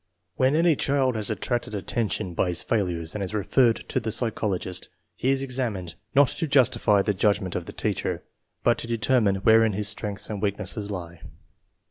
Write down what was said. When any child has attracted attention by his failures and is referred to the psychologist, he is exam ined, not to justify the judgment of the teacher, but to determine wherein his strengths and weaknesses lie.